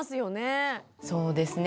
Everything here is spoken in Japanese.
そうですね。